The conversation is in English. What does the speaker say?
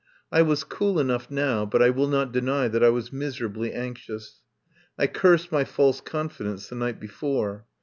I was cool enough now, but I will not deny that I was miserably anxious. I cursed my false confidence the night before.